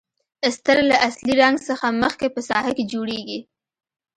استر له اصلي رنګ څخه مخکې په ساحه کې جوړیږي.